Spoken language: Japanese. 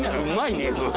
うまいね。